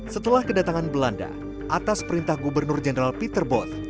setelah kedatangan belanda atas perintah gubernur jenderal peter both